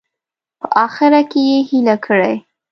په اخره کې یې هیله کړې.